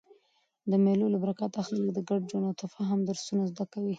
د مېلو له برکته خلک د ګډ ژوند او تفاهم درسونه زده کوي.